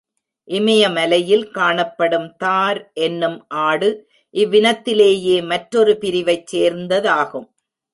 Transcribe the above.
இமயமலையில் காணப்படும் தார் என்னும் ஆடு இவ்வினத்திலேயே மற்றொரு பிரிவைச் சேர்ந்ததாகும்.